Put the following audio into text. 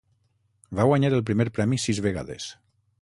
Va guanyar el primer premi sis vegades.